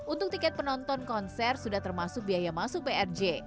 untuk tiket penonton konser sudah termasuk biaya masuk prj